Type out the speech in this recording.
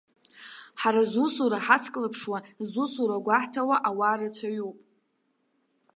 Ҳара зусура ҳацклаԥшуа, зусура гәаҳҭауа ауаа рацәаҩуп.